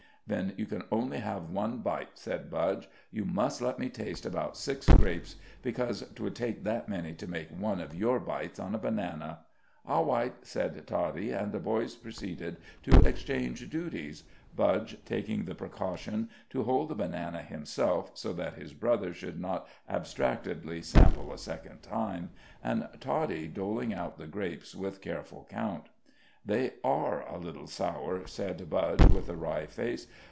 "Then you can only have one bite," said Budge, "You must let me taste about six grapes, 'cause 'twould take that many to make one of your bites on a banana." "Aw wight," said Toddie; and the boys proceeded to exchange duties, Budge taking the precaution to hold the banana himself, so that his brother should not abstractedly sample a second time, and Toddie doling out the grapes with careful count. "They are a little sour," said Budge, with a wry face.